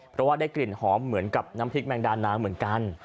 เพราะว่าได้กลิ่นหอมเหมือนกับน้ำพริกแมงดาน้ำเหมือนกัน